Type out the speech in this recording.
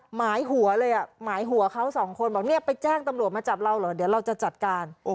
หมายหัวเลยอ่ะหมายหัวเขาสองคนบอกเนี่ยไปแจ้งตำรวจมาจับเราเหรอเดี๋ยวเราจะจัดการ